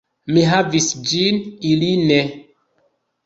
Mi havis ĝin, ili ne.